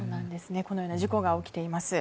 このような事故が起きています。